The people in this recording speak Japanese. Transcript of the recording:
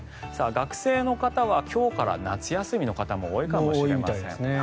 学生の方は今日から夏休みの方も多いかもしれませんね。